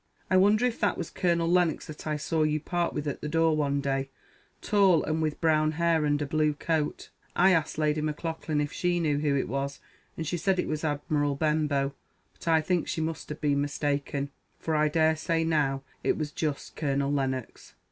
I wonder if that was Colonel Lennox that I saw you part with at the door one day tall, and with brown hair, and a bluecoat. I asked Lady Maclaughlan if she knew who it was, and she said it was Admiral Benbow; but I think she must have been mistaken, for I daresay now it was just Colonel Lennox.